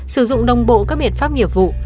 sử dụng đồng bộ các biện pháp nghiệp vụ